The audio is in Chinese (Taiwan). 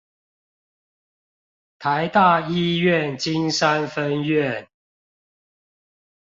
臺大醫院金山分院